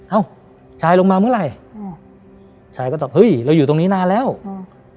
เอ้าชายลงมาเมื่อไหร่อืมชายก็ตอบเฮ้ยเราอยู่ตรงนี้นานแล้วอืม